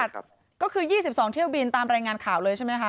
ก็คือ๒๒เที่ยวบินตามรายงานข่าวเลยใช่ไหมคะ